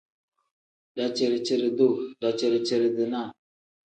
Daciri-ciri-duu pl: daciri-ciri-dinaa n.